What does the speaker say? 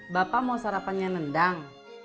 bapak mau sarapannya nendang